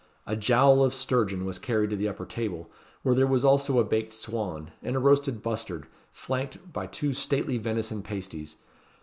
A jowl of sturgeon was carried to the upper table, where there was also a baked swan, and a roasted bustard, flanked by two stately venison pasties.